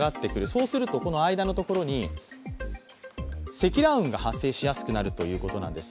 そうするとこの間のところに積乱雲が発生しやすくなるということなんです。